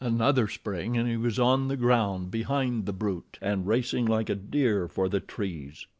Another spring and he was on the ground behind the brute and racing like a deer for the trees.